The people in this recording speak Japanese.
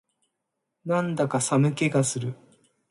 なんだか寒気がする